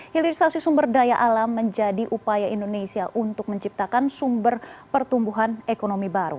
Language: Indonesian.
hilirisasi sumber daya alam menjadi upaya indonesia untuk menciptakan sumber pertumbuhan ekonomi baru